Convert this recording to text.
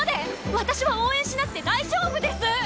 私は応援しなくて大丈夫です！